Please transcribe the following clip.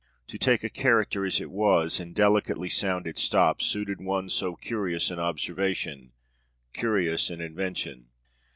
To take a character as it was, and delicately sound its stops, suited one so curious in observation, curious in invention.'